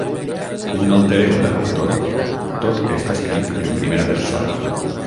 Un alter ego de l'autor, tot està escrit en primera persona.